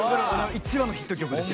一番のヒット曲です。